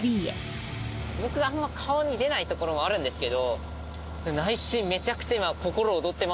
僕あんま顔に出ないところもあるんですけど。